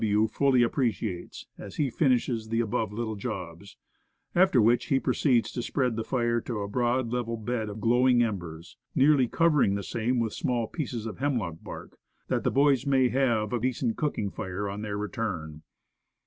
W. fully appreciates, as he finishes the above little jobs: after which he proceeds to spread the fire to a j6 Woodcraft. broad level bed of glowing embers, nearly covering the same with small pieces of hemlock bark, that the boys may have a decent cooking fire on their return.